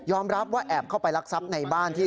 ยอมรับว่าแอบเข้าไปรักษัพในบ้านที่